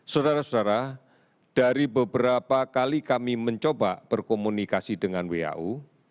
saudara saudara dari beberapa kali kami mencoba berkomunikasi dengan wau